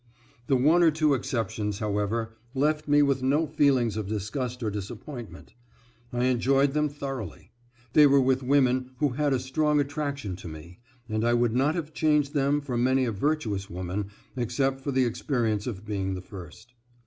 The one or two exceptions, however, left me with no feelings of disgust or disappointment. I enjoyed them thoroughly. They were with women who had a strong attraction to me, and I would not have changed them for many a virtuous woman, except for the experience of being the first.